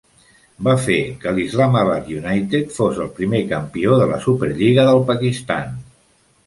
Va fer que l'Islamabad United fos el primer campió de la Superlliga del Pakistan.